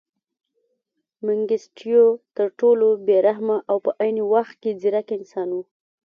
منګیسټیو تر ټولو بې رحمه او په عین وخت کې ځیرک انسان و.